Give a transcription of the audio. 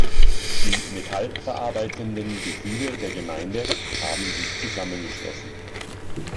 Die Metall verarbeitenden Betriebe der Gemeinde haben sich zusammengeschlossen.